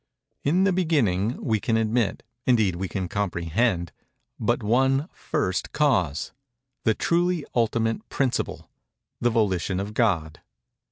"In the beginning" we can admit—indeed we can comprehend—but one First Cause—the truly ultimate Principle—the Volition of God.